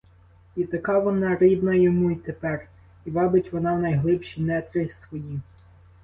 І така вона рідна йому й тепер, і вабить вона в найглибші нетрі свої.